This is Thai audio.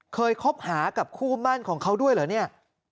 คบหากับคู่มั่นของเขาด้วยเหรอเนี่ย